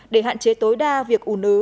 để hạn chế tối đa việc ủ nứ